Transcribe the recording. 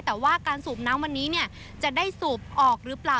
แต่ว่าการสูบน้ำวันนี้จะได้สูบออกหรือเปล่า